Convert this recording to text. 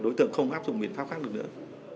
đối tượng không áp dụng biện pháp khác nữa